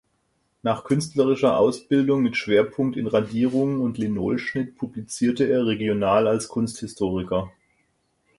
Nach künstlerischer Ausbildung mit Schwerpunkt in Radierungen und Linolschnitt publizierte er regional als Kunsthistoriker.